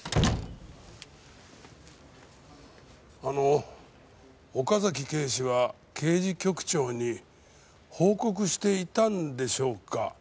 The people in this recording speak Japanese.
あの岡崎警視は刑事局長に報告していたんでしょうか？